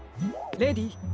レディー。